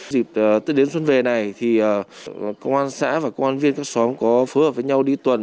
dịp tết đến xuân về này thì công an xã và công an viên các xóm có phối hợp với nhau đi tuần